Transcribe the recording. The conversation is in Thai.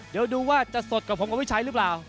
เดี๋ยวดูว่าจะสดกว่าผมกับวิชัยหรือเปล่า